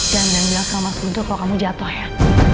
jangan dengar dengar sama mas buntu kalo kamu jatoh ya